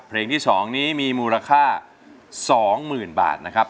เพลงที่สองนี้มีมูลค่าสองหมื่นบาทนะครับ